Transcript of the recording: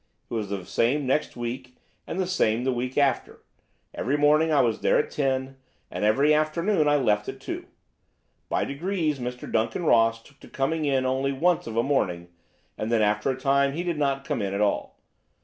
It was the same next week, and the same the week after. Every morning I was there at ten, and every afternoon I left at two. By degrees Mr. Duncan Ross took to coming in only once of a morning, and then, after a time, he did not come in at all.